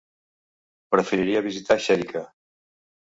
Preferiria visitar Xèrica.